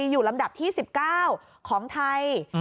อยู่ลำดับที่๑๙ของไทย